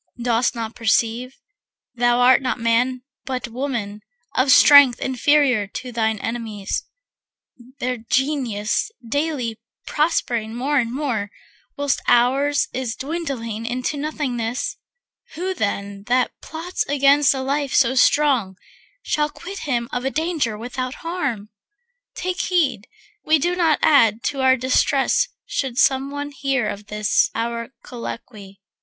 Dost not perceive, thou art not man but woman, Of strength inferior to thine enemies, Their Genius daily prospering more and more, Whilst ours is dwindling into nothingness? Who then that plots against a life so strong Shall quit him of the danger without harm? Take heed we do not add to our distress Should some one hear of this our colloquy.